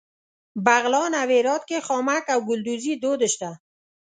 بغلان او هرات کې خامک او ګلدوزي دود شته.